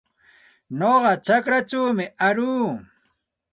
Nuqa chakraćhawmi aruu.